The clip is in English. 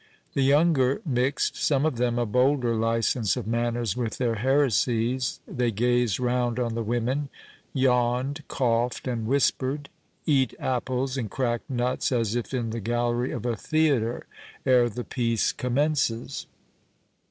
The younger mixed, some of them, a bolder license of manners with their heresies; they gazed round on the women, yawned, coughed, and whispered, eat apples, and cracked nuts, as if in the gallery of a theatre ere the piece commences.